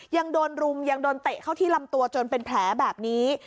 ยังโดนรุมยังโดนเตะเข้าที่ลำตัวจนเป็นแผลแบบนี้